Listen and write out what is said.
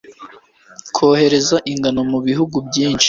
Kohereza ingano mu bihugu byinshi.